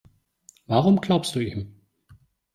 Warum glaubst du ihm?